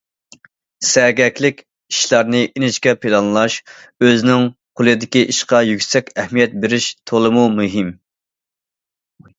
سەگەكلىك، ئىشلارنى ئىنچىكە پىلانلاش، ئۆزىنىڭ قولىدىكى ئىشقا يۈكسەك ئەھمىيەت بېرىش تولىمۇ مۇھىم.